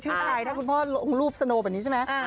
ใครถ้าคุณพ่อลงรูปสโนแบบนี้ใช่ไหม